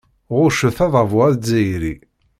Ɣuccet adabu azzayri.